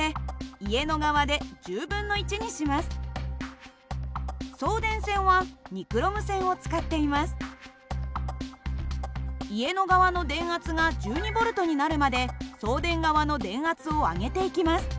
家の側の電圧が１２Ｖになるまで送電側の電圧を上げていきます。